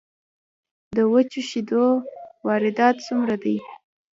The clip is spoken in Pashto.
د وچو شیدو واردات څومره دي؟